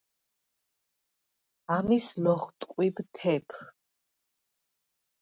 ამის ლოხტყვიბ თეფ.